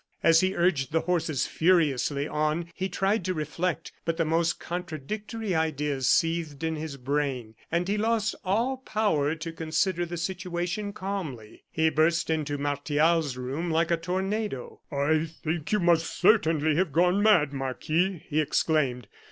As he urged the horses furiously on he tried to reflect, but the most contradictory ideas seethed in his brain, and he lost all power to consider the situation calmly. He burst into Martial's room like a tornado. "I think you must certainly have gone mad, Marquis," he exclaimed.